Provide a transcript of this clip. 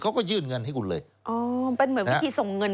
เขาก็ยื่นเงินให้คุณเลยอ๋อเป็นเหมือนวิธีส่งเงิน